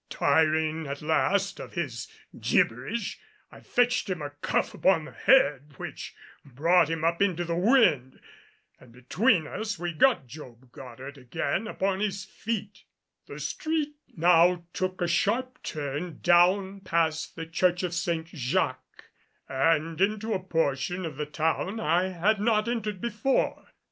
Tiring at last of his gibberish, I fetched him a cuff upon the head which brought him up into the wind. And between us we got Job Goddard again upon his feet. The street now took a sharp turn down past the Church of Saint Jacques and into a portion of the town I had not entered before.